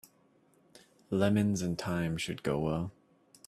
Lemons and thyme should go well.